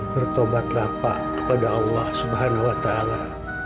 bertobatlah pak kepada allah subhanahu wa ta'ala